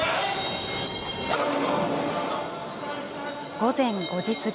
午前５時過ぎ。